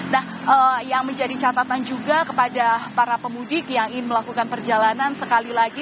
nah yang menjadi catatan juga kepada para pemudik yang ingin melakukan perjalanan sekali lagi